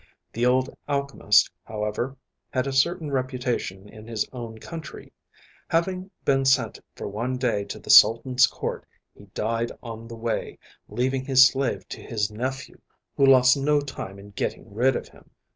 The old alchemist, however, had a certain reputation in his own country. Having been sent for one day to the Sultan's Court, he died on the way, leaving his slave to his nephew, who lost no time in getting rid of him.